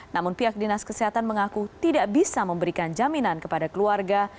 namun pihak dinas kesehatan mengaku tidak bisa memberikan jaminan kepada keluarga